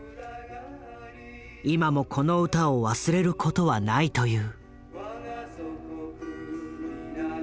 今もこの歌を忘れることはないという。